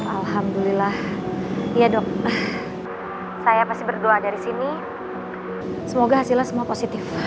alhamdulillah ya dok saya pasti berdoa dari sini semoga hasilnya semua positif